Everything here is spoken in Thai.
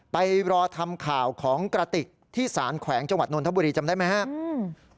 ไปรอทำข่าวของกระติกที่สารแขวงจังหวัดนทบุรีจำได้ไหมครับ